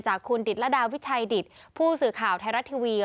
คุณดิตระดาวิชัยดิตผู้สื่อข่าวไทยรัฐทีวี